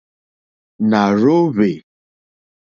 Nà rzóhwè.